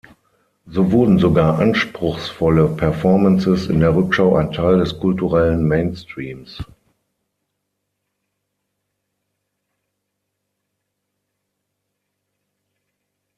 So wurden sogar anspruchsvolle Performances in der Rückschau ein Teil des kulturellen Mainstreams.